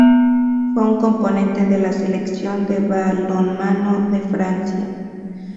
Fue un componente de la selección de balonmano de Francia.